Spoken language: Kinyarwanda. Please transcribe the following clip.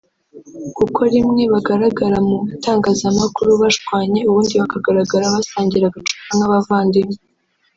kuko rimwe bagaragaraga mu itangazamakuru bashwanye ubundi bakagaragara basangira agacupa nk’abavandimwe